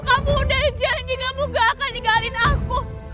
kamu udah janji kamu gak akan nikahin aku